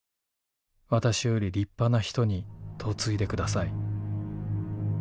私より立派な人に嫁いでください。